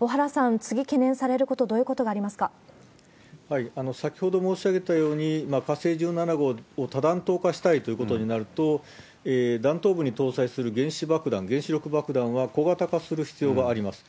小原さん、次、懸念されること、先ほど申し上げたように、火星１７号を多弾頭化したいということになると、弾頭部に搭載する原子爆弾、原子力爆弾は、小型化する必要があります。